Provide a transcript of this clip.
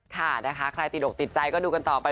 ค่ะนะคะใครติดอกติดใจก็ดูกันต่อไป